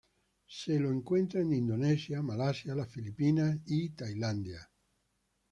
Se lo encuentra en Indonesia, Malasia, las Filipinas y Tailandia.